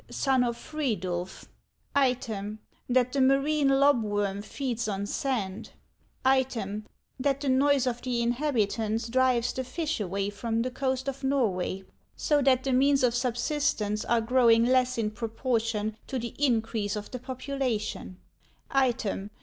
the real name of Odin is Frigg, sun of Fridulf ; item, that the marine lobworm feeds on sand ; item, that the noise of the inhabitants drives the fish away from the coast of Xorway, so that the means of subsistence are growing less in proportion to the increase of the population; item, th.